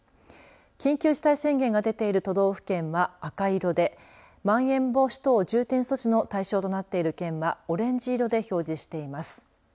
緊急事態宣言が出ている都道府県は赤色でまん延防止等重点措置の対象となっている県はオレンジ色で表示しています。